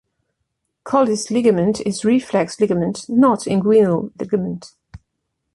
Colles' ligament is reflex ligament not inguinal ligament.